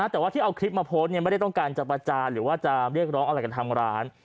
นะแต่ก็เอาเทพมโพสต์ไม่ได้ต้องการจับประจานหรือว่าจะเรียนร้ออะไรกันทำร้าน